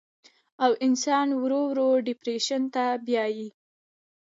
او انسان ورو ورو ډپرېشن ته بيائي